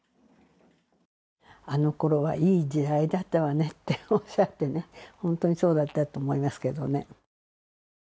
あのころは、いい時代だったわねっておっしゃってて本当にそうだったと思いますけれどもね。